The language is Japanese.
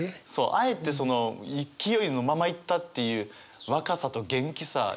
あえてその勢いのままいったっていう若さと元気さ元気いっぱいっていう。